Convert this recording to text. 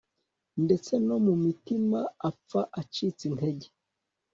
Ndetse no mu mitima apfa acitse intege